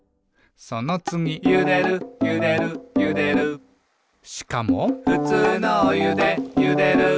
そのつぎ「ゆでるゆでるゆでる」しかも「ふつうのおゆでゆでる」